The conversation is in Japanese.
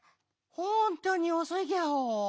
ほんとにおそいギャオ。